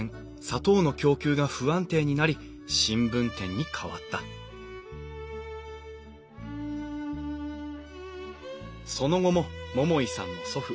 砂糖の供給が不安定になり新聞店に変わったその後も桃井さんの祖父